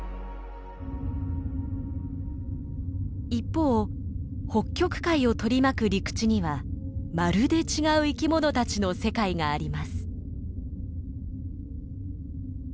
一方北極海を取り巻く陸地にはまるで違う生きものたちの世界があります。